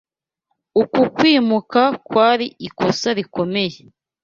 Uku kwimuka kwari ikosa rikomeye.